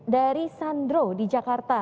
dari sandro di jakarta